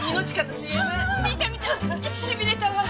しびれたわ。